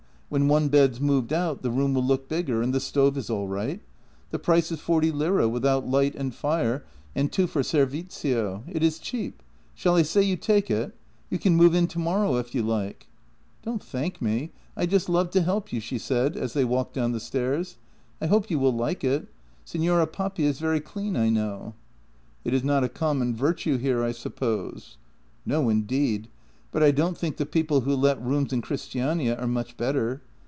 When one bed's moved out, the room will look bigger; and the stove is all right. The price is forty lire without light and fire, and two for servizio. It is cheap. Shall I say you take it? You can move in to morrow, if you like." " Don't thank me. I just loved to help you," she said, as they walked down the stairs. " I hope you will like it. Sig nora Papi is very clean, I know." " It is not a common virtue here, I suppose? "" No, indeed. But I don't think the people who let rooms in Christiania are much better.